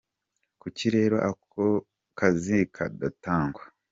Kuki rero ako kazi kadatangwa ?